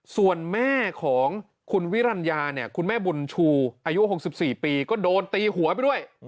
ส่วนแม่ของคุณวิรัญญาเนี่ยคุณแม่บุญชูอายุ๖๔ปีก็โดนตีหัวไปด้วย